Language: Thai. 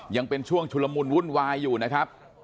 ยังเป็นช่วงชุลมุนวุ่นวายอยู่นะครับ